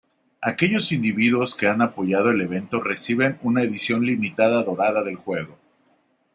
Aquellos individuos que han apoyado el evento reciben una edición limitada dorada del juego.